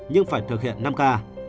nhưng phải thực hiện năm k